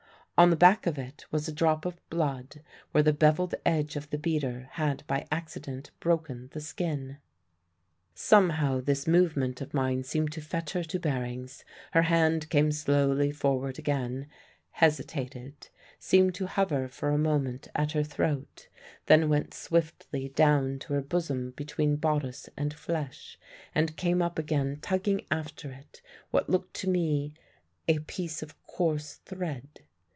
On the back of it was a drop of blood where the bevelled edge of the beater had by accident broken the skin. "Somehow this movement of mine seemed to fetch her to bearings. Her hand came slowly forward again, hesitated, seemed to hover for a moment at her throat, then went swiftly down to her bosom between bodice and flesh, and came up again tugging after it what looked to me a piece of coarse thread.